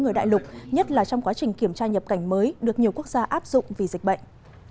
người đại lục nhất là trong quá trình kiểm tra nhập cảnh mới được nhiều quốc gia áp dụng vì dịch bệnh